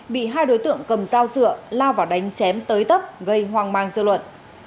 bị hai đối tượng cầm dao dựa lao vào đánh chém tới tấp gây hoang mang dư luận